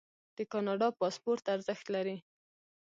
د کاناډا پاسپورت ارزښت لري.